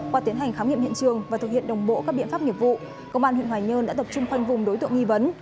qua tiến hành khám nghiệm hiện trường và thực hiện đồng bộ các biện pháp nghiệp vụ công an huyện hoài nhơn đã tập trung khoanh vùng đối tượng nghi vấn